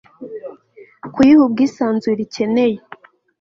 kuyiha ubwisanzure ikeneye